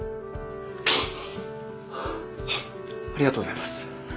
ありがとうございます。